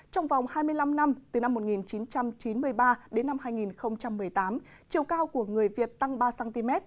trong vòng hai mươi năm năm từ năm một nghìn chín trăm chín mươi ba đến năm hai nghìn một mươi tám chiều cao của người việt tăng ba cm